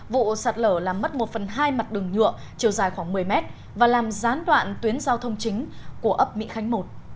vụ sạt lở làm mất một phần hai mặt đường nhựa chiều dài khoảng một mươi mét và làm gián đoạn tuyến giao thông chính của ấp mỹ khánh một